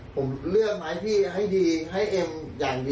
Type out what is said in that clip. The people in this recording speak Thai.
ผมเลือกมาให้พี่ให้ดีให้เอ็มอย่างดี